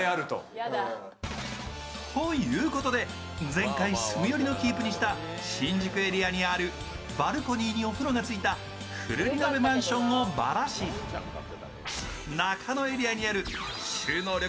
前回住む寄りのキープをした新宿エリアにあるバルコニーにお風呂がついたフルリノベマンションをバラし中野エリアにある収納力